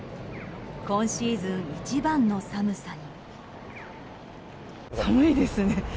今シーズン一番の寒さに。